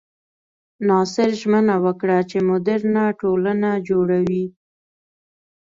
ناصر ژمنه وکړه چې موډرنه ټولنه جوړوي.